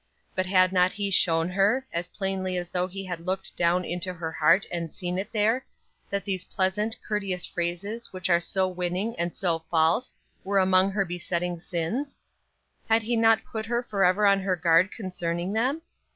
But had not he shown her, as plainly as though he had looked down into her heart and seen it there, that these pleasant, courteous phrases which are so winning and so false were among her besetting sins? Had he not put her forever on her guard concerning them?